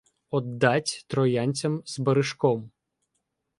Оддать троянцям з баришком